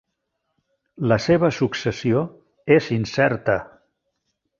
La seva successió és incerta.